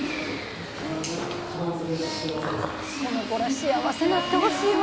この子ら幸せなってほしいわ。